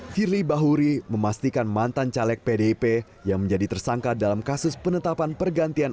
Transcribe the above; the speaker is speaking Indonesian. firly bahuri memastikan mantan caleg pdip yang menjadi tersangka dalam kasus penetapan pergantian